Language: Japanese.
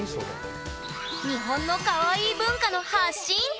日本のカワイイ文化の発信地！